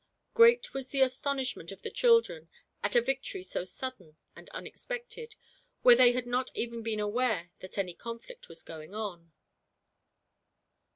" Great was the astonishment of the children at a victory so sudden and unexpected, where they had not even been aware that any conflict was going on.